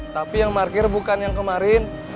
tapi yang parkir bukan yang kemarin